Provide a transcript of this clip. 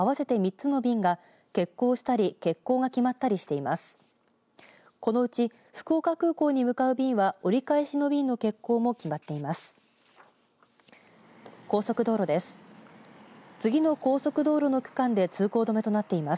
このうち、福岡空港に向かう便は折り返しの便の欠航も決まっています。